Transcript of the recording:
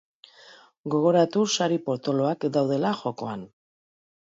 Gogoratu sari potoloak daudela jokoan!